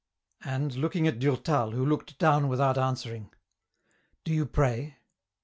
And looking at Durtal, who looked down without answering, —" Do you pray ?